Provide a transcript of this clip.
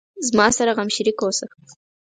زما سره غم شریک اوسه